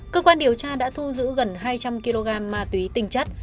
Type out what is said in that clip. cơ quan điều tra đã thu giữ gần hai trăm linh kg ma túy tinh chất